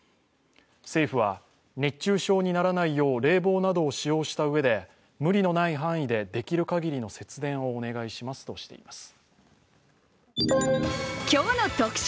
政府は、熱中症にならないよう冷房などを使用したうえで無理のない範囲でできるかぎりの節電をお願いしますとしています。